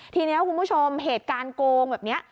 ทีนี้คุณผู้ชมเหตุการณ์โกงแบบนี้